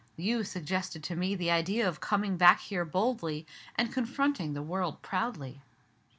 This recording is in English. You suggested to me the idea of coming back here boldly, and confronting the world proudly."